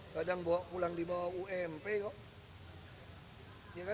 kadang pulang dibawa ump kok